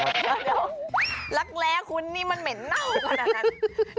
เดี๋ยวรักแร้คุณนี่มันเหม็นเน่าขนาดนั้น